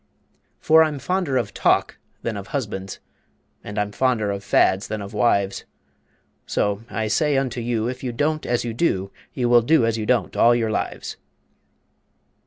For I'm fonder of talk than of Husbands, And I'm fonder of fads than of Wives, So I say unto you, If you don't as you do You will do as you don't all your lives.